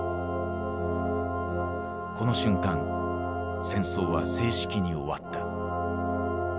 この瞬間戦争は正式に終わった。